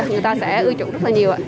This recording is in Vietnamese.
người ta sẽ ưu chủ rất là nhiều ạ